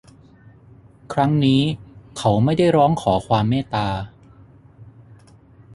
ครั้งนี้เขาไม่ได้ร้องขอความเมตตา